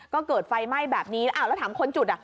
ก็เกิดไฟไหม้แบบนี้อ้าวแล้วถามคนจุดอ่ะ